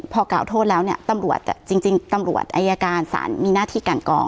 พอกล่าวโทษแล้วเนี่ยตำรวจจริงตำรวจอายการศาลมีหน้าที่กันกอง